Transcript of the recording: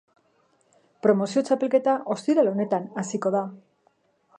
Promozio txapelketa ostiral honetan hasiko da.